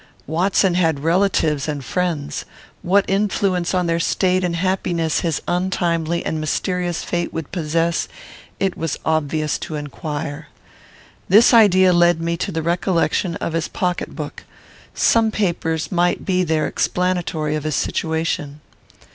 Watson had relatives and friends. What influence on their state and happiness his untimely and mysterious fate would possess, it was obvious to inquire. This idea led me to the recollection of his pocket book. Some papers might be there explanatory of his situation.